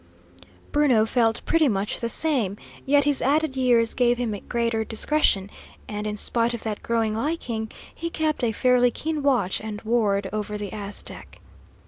Bruno felt pretty much the same, yet his added years gave him greater discretion, and, in spite of that growing liking, he kept a fairly keen watch and ward over the Aztec.